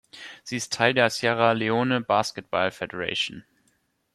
Sie ist Teil der Sierra Leone Basketball Federation.